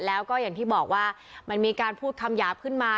แล้วก็อย่างที่บอกว่ามันมีการพูดคำหยาบขึ้นมา